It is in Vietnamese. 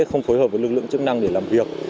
không phối hợp với lực lượng chức năng để làm việc